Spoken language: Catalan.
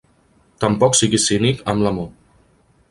Tampoc siguis cínic amb l'amor.